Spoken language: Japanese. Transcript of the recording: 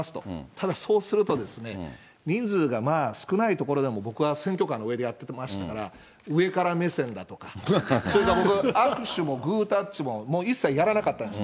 ただ、そうするとですね、人数が少ない所でも僕は選挙カーの上でやってましたから、上から目線だとか、それから僕、握手もグータッチももう一切やらなかったんです。